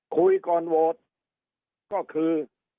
คุยก่อนโหวตก็คือ